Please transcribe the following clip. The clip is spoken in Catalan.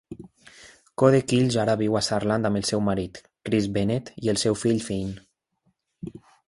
Kohde-Kilsch ara viu a Saarland amb el seu marit, Chris Bennett, i el seu fill Fynn.